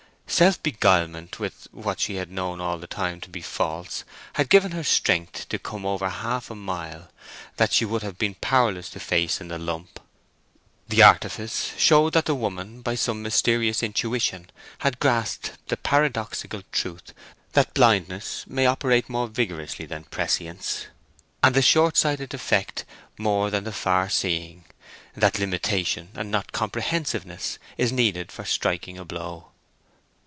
Self beguilement with what she had known all the time to be false had given her strength to come over half a mile that she would have been powerless to face in the lump. The artifice showed that the woman, by some mysterious intuition, had grasped the paradoxical truth that blindness may operate more vigorously than prescience, and the short sighted effect more than the far seeing; that limitation, and not comprehensiveness, is needed for striking a blow.